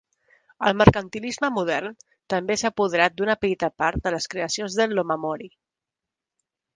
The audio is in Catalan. El mercantilisme modern també s'ha apoderat d'una petita part de les creacions de l'"omamori".